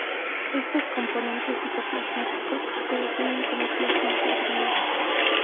Estos componentes citoplasmáticos se definen como Plasma Germinal.